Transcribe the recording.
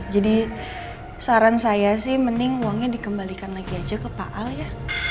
jadi saran saya sih mending uangnya dikembalikan lagi aja ke pak al ya